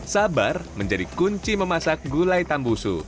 sabar menjadi kunci memasak gulai tambusu